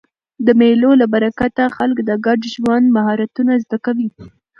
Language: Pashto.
د مېلو له برکته خلک د ګډ ژوند مهارتونه زده کوي.